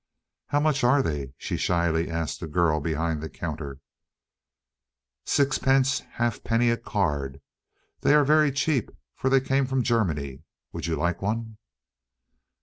"How much are they?" she shyly asked the girl behind the counter. "Sixpence halfpenny a card. They are very cheap, for they came from Germany. Would you like one?"